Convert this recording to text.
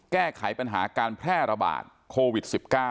แก้ไขปัญหาการแพร่ระบาดโควิด๑๙